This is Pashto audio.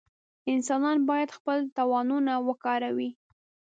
انسانان باید خپل توانونه وکاروي.